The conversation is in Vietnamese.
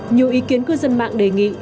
nhiều ý kiến cư dân mạng đề nghị